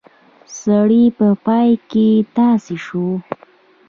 سړی په پای کې تاسی شو.